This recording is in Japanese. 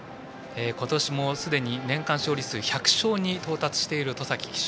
今年もすでに年間勝利１００勝に到達している戸崎騎手。